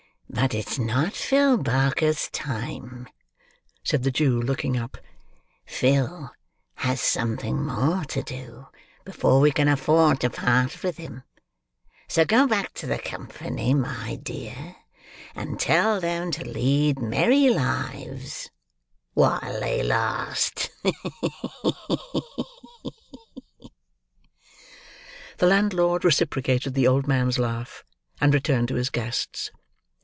But it's not Phil Barker's time," said the Jew, looking up. "Phil has something more to do, before we can afford to part with him; so go back to the company, my dear, and tell them to lead merry lives—while they last. Ha! ha! ha!" The landlord reciprocated the old man's laugh; and returned to his guests.